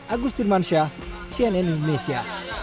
agus dirmansyah cnn indonesia